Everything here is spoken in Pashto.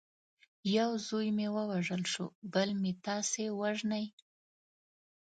یو زوی مې ووژل شو بل مې تاسي وژنئ.